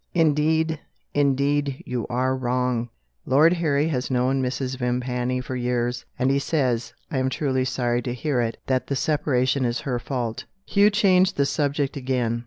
"Indeed, indeed you are wrong! Lord Harry has known Mrs. Vimpany for years, and he says I am truly sorry to hear it that the separation is her fault." Hugh changed the subject again.